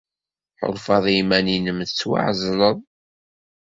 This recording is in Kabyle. Tḥulfaḍ i yiman-nnem tettwaɛezleḍ.